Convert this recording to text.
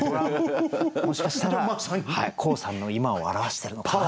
もしかしたら黄さんの今を表してるのかなという。